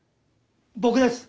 僕です！